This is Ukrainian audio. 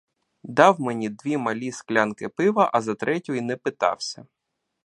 Дав мені дві малі склянки пива, а за третю й не питався!